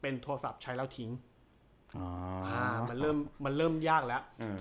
โทรศัพท์ใช้แล้วทิ้งอ๋ออ่ามันเริ่มมันเริ่มยากแล้วอืม